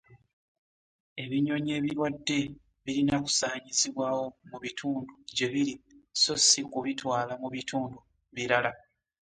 Ebinyonyi ebirwadde birina kusaanyirizibwawo mu bitundu gye biri so si kubitwala mu bitundu birala.